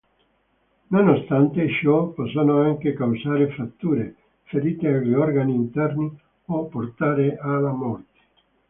Nonostante ciò, possono anche causare fratture, ferite agli organi interni, o portare alla morte.